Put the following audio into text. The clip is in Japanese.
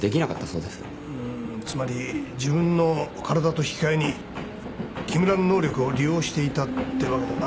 うんつまり自分の体と引き換えに木村の能力を利用していたってわけだな。